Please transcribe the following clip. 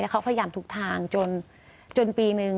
แล้วเขาพยายามทุกทางจนปีหนึ่ง